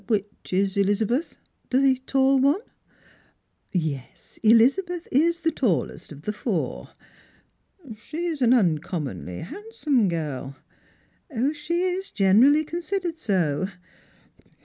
Which is Elizabeth ? The tall one ?"" Yes, Elizabeth is the tallest of the four." " She's an uncommonly handsome girl." " She is generally considered so."